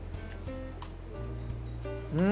「うん！」